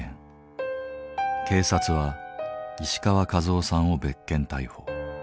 警察は石川一雄さんを別件逮捕。